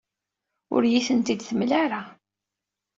Ur iyi-tent-id-temla ara.